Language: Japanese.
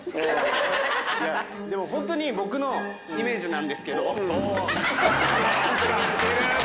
いやでもホントに僕のイメージなんですけど。